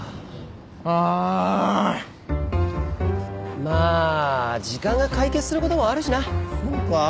まあ時間が解決することもあるしな。そうか？